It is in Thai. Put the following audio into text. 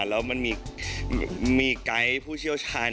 แล้วมันมีไกด์ผู้เชี่ยวชาญ